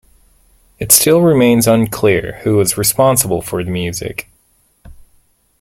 It still remains unclear who was responsible for the music.